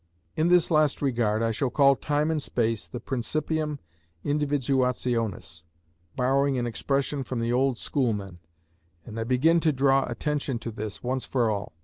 In this last regard I shall call time and space the principium individuationis, borrowing an expression from the old schoolmen, and I beg to draw attention to this, once for all.